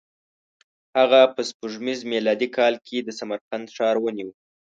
هغه په سپوږمیز میلادي کال کې د سمرقند ښار ونیو.